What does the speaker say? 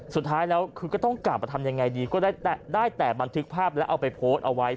สุดท้ายแล้วคือก็ต้องกลับมาทำยังไงดีก็ได้แต่บันทึกภาพแล้วเอาไปโพสต์เอาไว้